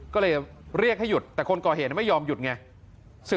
ก็เลยเรียกให้หยุดแต่คนก่อเหตุไม่ยอมหยุดไง